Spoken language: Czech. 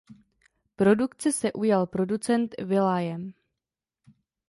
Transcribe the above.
Produkce se ujal producent Will.i.am.